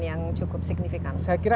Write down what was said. yang cukup signifikan saya kira